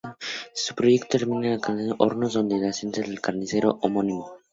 Su trayecto termina en la caleta Hornos, donde asienta el caserío homónimo.